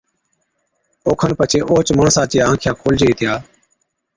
اوکن پڇي اُونھچ ماڻسا چِيا آنکِيا کولجي هِتِيا